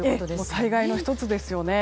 災害の１つですよね。